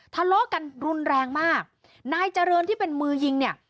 ทะเลาะกันรุนแรงมากนายเจริญที่เป็นมือยิงเนี่ย